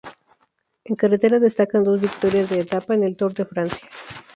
En carretera destacan dos victorias de etapa en el Tour de Francia.